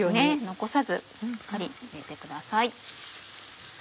残さずしっかり入れてください。